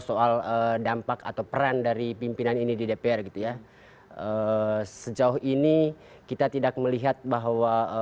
soal dampak atau peran dari pimpinan ini di dpr gitu ya sejauh ini kita tidak melihat bahwa